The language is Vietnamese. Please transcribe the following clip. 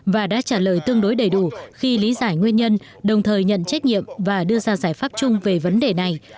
và đã trả lời tương đối đầy đủ khi lý giải nguyên nhân đồng thời nhận trách nhiệm và đưa ra giải pháp chung về vấn đề này